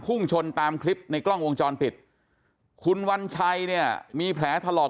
พุ่งชนตามคลิปในกล้องวงจรปิดคุณวัญชัยเนี่ยมีแผลถลอก